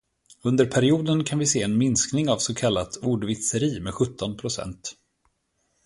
Under perioden kan vi se en minskning av så kallat ordvitseri med sjutton procent.